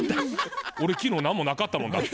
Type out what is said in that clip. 俺昨日何もなかったもんだって。